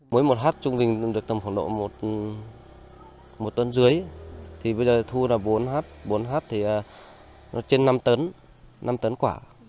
mỗi một hát trung bình được tầm phòng độ một tấn dưới thì bây giờ thu là bốn hát bốn hát thì trên năm tấn năm tấn quả